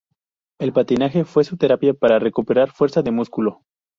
El patinaje fue su terapia para recuperar fuerza de músculo.